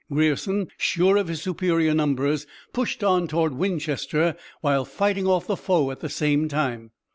Grierson, sure of his superior numbers, pushed on toward Winchester, while fighting off the foe at the same time.